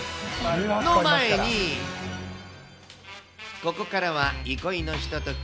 の前に、ここからは憩いのひととき。